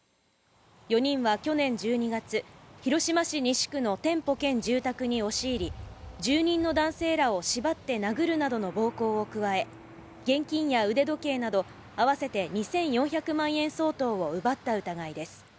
４人は去年１２月、広島市西区の店舗兼住宅に押し入り、住人の男性らを縛って殴るなどの暴行を加え、現金や腕時計など合わせて２４００万円相当を奪った疑いです。